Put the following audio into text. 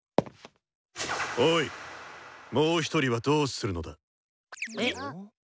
おい「もう１人」はどうするのだ？え？